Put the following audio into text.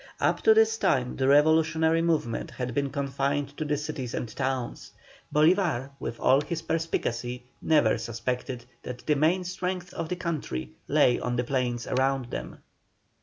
Up to this time the revolutionary movement had been confined to the cities and towns; Bolívar with all his perspicacity never suspected that the main strength of the country lay on the plains around them.